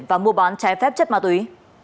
và mua bán trái phép chất ma túy